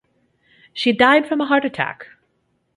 She died from a heart attack.